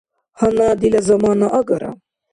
Гьанна дила замана агара.